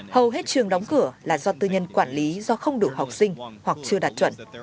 hầu hết trường đóng cửa là do tư nhân quản lý do không đủ học sinh hoặc chưa đạt chuẩn